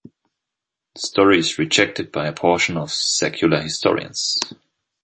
The story is rejected by a portion of secular historians.